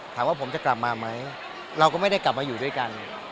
ถามว่าผมจะกลับมาไหมเราก็ไม่ได้กลับมาอยู่ด้วยกัน